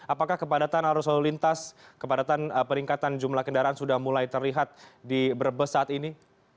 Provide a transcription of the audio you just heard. apakah kepadatan arus lalu lintas kepadatan peningkatan jumlah kendaraan sudah mulai terlihat di brebes saat ini